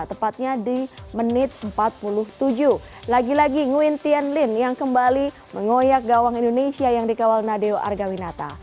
tepatnya di menit empat puluh tujuh lagi lagi nguyen tian lin yang kembali mengoyak gawang indonesia yang dikawal nadeo argawinata